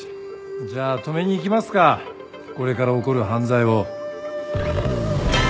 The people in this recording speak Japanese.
じゃあ止めに行きますかこれから起こる犯罪を。